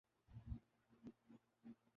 دیکھا جائے تو پاکستان کی فوج اسلامی فوج